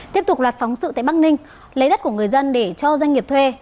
tiếp tục loạt phóng sự tại bắc ninh lấy đất của người dân để cho doanh nghiệp thuê